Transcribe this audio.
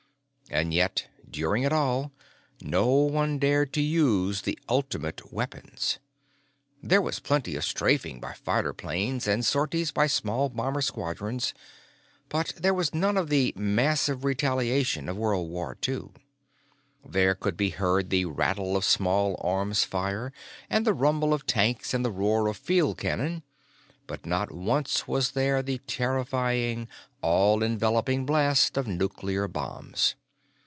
And yet, during it all, no one quite dared to use the Ultimate Weapons. There was plenty of strafing by fighter planes and sorties by small bomber squadrons, but there was none of the "massive retaliation" of World War II. There could be heard the rattle of small arms fire and the rumble of tanks and the roar of field cannon, but not once was there the terrifying, all enveloping blast of nuclear bombs.